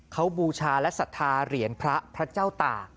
เขาบูชาและศรัทธาเหรียญพระพระเจ้าตาก